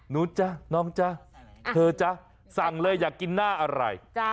จ๊ะน้องจ๊ะเธอจ๊ะสั่งเลยอยากกินหน้าอะไร